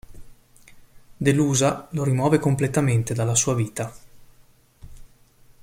Delusa, lo rimuove completamente dalla sua vita.